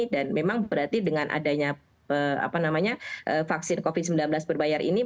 dan memang berarti dengan adanya apa namanya vaksin covid sembilan belas berbayar ini